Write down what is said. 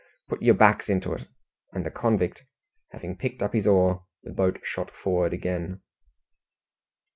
Put your backs into it!" and the convict having picked up his oar, the boat shot forward again.